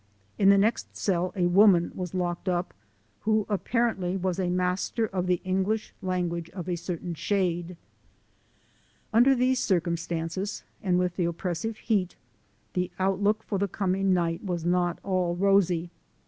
In the next cell a woman was locked up, who apparently was a master of the English language of a certain shade. Under these circumstances, and with the oppressive heat, the outlook for the coming night was not at all rosy.